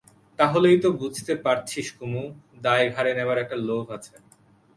তা হলেই তো বুঝতে পারছিস কুমু, দায় ঘাড়ে নেবার একটা লোভ আছে।